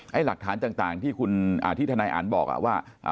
ให้หลักฐานต่างที่ท่านายอ่านบอกว่า